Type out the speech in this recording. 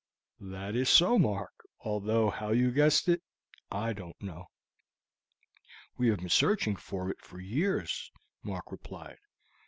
"That is so Mark; although how you guessed it I don't know." "We have been searching for it for years," Mark replied.